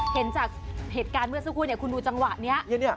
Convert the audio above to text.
เห็นจากเหตุการณ์เมื่อสักครู่เนี่ยคุณดูจังหวะนี้